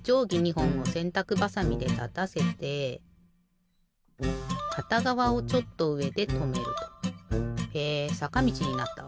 ほんをせんたくばさみでたたせてかたがわをちょっとうえでとめると。へえさかみちになったわ。